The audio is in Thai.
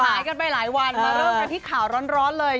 หายกันไปหลายวันมาเริ่มกันที่ข่าวร้อนเลย